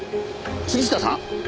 杉下さん？